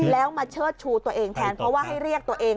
แล้วมาเชิดชูตัวเองแทนเพราะว่าให้เรียกตัวเอง